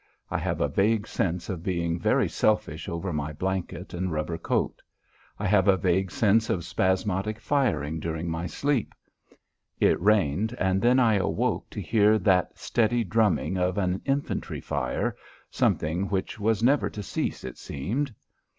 I have a vague sense of being very selfish over my blanket and rubber coat. I have a vague sense of spasmodic firing during my sleep; it rained, and then I awoke to hear that steady drumming of an infantry fire something which was never to cease, it seemed.